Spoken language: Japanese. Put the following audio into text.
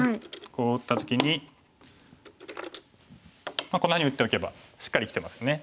こう打った時にこんなふうに打っておけばしっかり生きてますね。